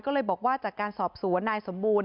ก็เลยบอกว่าจากการสอบสวนนายสมบูรณ